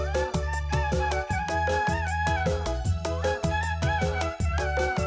berkinta denganmu sungguh makan dana